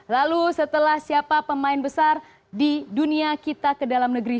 lalu setelah siapa pemain besar di dunia kita ke dalam negeri